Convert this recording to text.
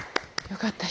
よかった。